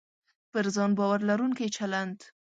پر ځان باور لرونکی چلند